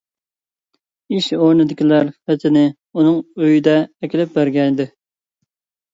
ئىش ئورنىدىكىلەر خېتىنى ئۇنىڭ ئۆيىدە ئەكېلىپ بەرگەنىدى.